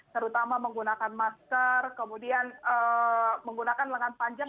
terutama menggunakan masker kemudian menggunakan lengan panjang